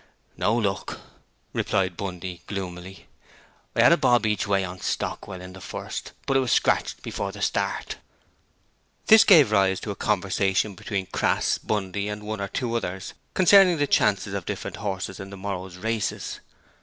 'No luck,' replied Bundy, gloomily. 'I had a bob each way on Stockwell, in the first race, but it was scratched before the start.' This gave rise to a conversation between Crass, Bundy, and one or two others concerning the chances of different horses in the morrow's races.